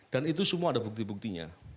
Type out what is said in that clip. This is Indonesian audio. dan itu semua ada bukti buktinya